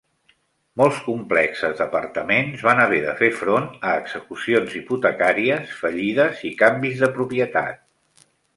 Molts complexes d"apartaments van haver de fer front a execucions hipotecàries, fallides i canvis de propietat.